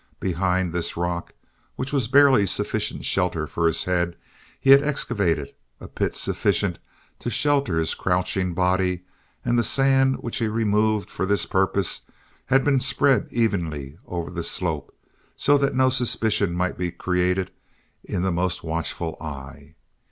Behind this rock, which was barely sufficient shelter for his head, he had excavated a pit sufficient to shelter his crouching body and the sand which he removed for this purpose had been spread evenly over the slope so that no suspicion might be created in the most watchful eye.